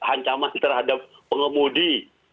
ancaman terhadap pengemudi